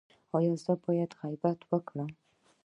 ایا زه باید غیبت وکړم؟